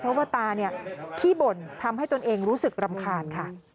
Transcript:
เพราะว่าตาขี้บ่นทำให้ตนเองรู้สึกรำคาญค่ะ